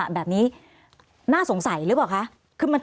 สวัสดีครับทุกคน